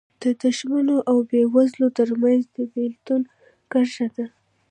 د شتمنو او بېوزلو ترمنځ د بېلتون کرښه ده